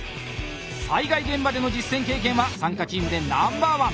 災害現場での実践経験は参加チームでナンバーワン！